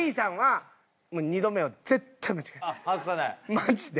マジで。